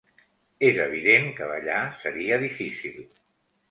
És evident que ballar seria difícil.